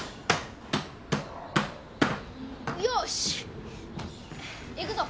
よし行くぞ。